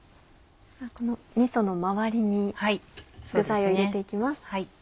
このみその周りに具材を入れて行きます。